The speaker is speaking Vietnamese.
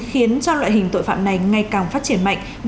khiến cho loại hình tội phạm này ngày càng phát triển mạnh